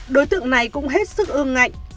đối tượng này cũng hết sức ương ngạnh